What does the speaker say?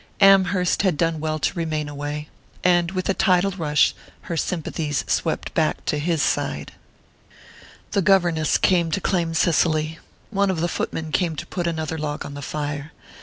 Amherst had done well to remain away...and with a tidal rush her sympathies swept back to his side.... The governess came to claim Cicely. One of the footmen came to put another log on the fire.